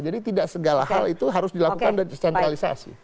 jadi tidak segala hal itu harus dilakukan dan descentralisasi